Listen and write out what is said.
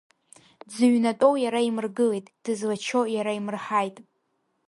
Дзыҩнатәоу иара имыргылеит, дызлачо иара имырҳаит.